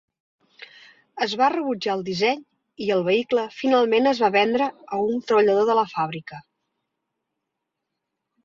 Es va rebutjar el disseny i el vehicle finalment es va vendre a un treballador de la fàbrica.